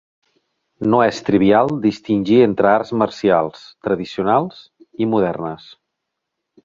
No és trivial distingir entre arts marcials "tradicionals" i "modernes".